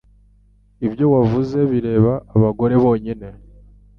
Ibyo wavuze bireba abagore bonyine.